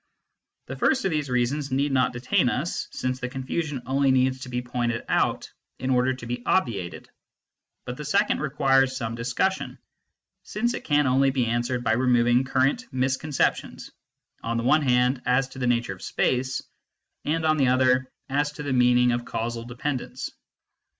The first of these reasons need not detain us, since the confusion only needs to be pointed out in order to be obviated ; but the second requires some discussion, since it can only be answered by removing current misconceptions, on the one hand as to the nature of space, and on the other, as to the mean ing of causal dependence.